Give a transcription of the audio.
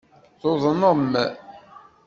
Tuḍnem.